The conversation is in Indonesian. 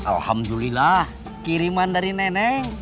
alhamdulillah kiriman dari nenek